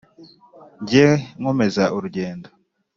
jye nkomeza urugendo